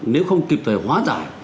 nếu không kịp thời hóa dài